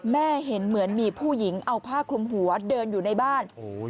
เห็นเหมือนมีผู้หญิงเอาผ้าคลุมหัวเดินอยู่ในบ้าน